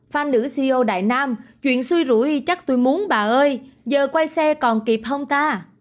fan nữ ceo đại nam chuyện xui rũi chắc tui muốn bà ơi giờ quay xe còn kịp không ta